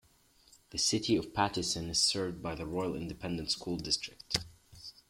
The City of Pattison is served by the Royal Independent School District.